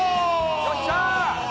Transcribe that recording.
よっしゃ！